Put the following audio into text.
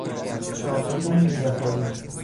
چاقوی میوهخوری